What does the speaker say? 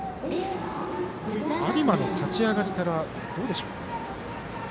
有馬の立ち上がりからはどうでしょうか？